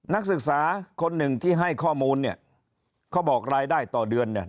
นักศึกษาคนหนึ่งที่ให้ข้อมูลเนี่ยเขาบอกรายได้ต่อเดือนเนี่ย